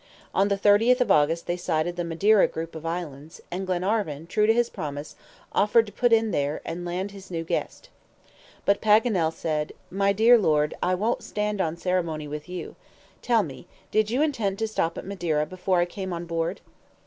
On the 30th of August they sighted the Madeira group of islands, and Glenarvan, true to his promise, offered to put in there, and land his new guest. But Paganel said: "My dear Lord, I won't stand on ceremony with you. Tell me, did you intend to stop at Madeira before I came on board?"